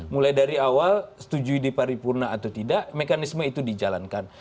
mulai dari awal setuju di paripurna atau tidak mekanisme itu dijalankan